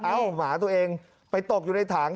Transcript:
หมาตัวเองไปตกอยู่ในถัง